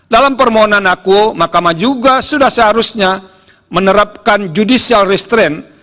dalam permohonan aku mahkamah juga sudah seharusnya menerapkan judicial restraint